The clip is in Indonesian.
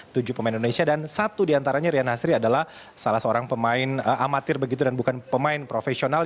tujuh pemain indonesia dan satu diantaranya rian hasri adalah salah seorang pemain amatir begitu dan bukan pemain profesional